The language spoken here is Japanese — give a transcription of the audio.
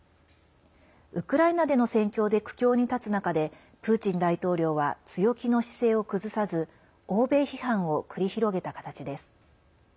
ウクライナでの戦況で苦境に立つ中でプーチン大統領は強気の姿勢を崩さず欧米批判を繰り広げた形です。